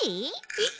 えっ？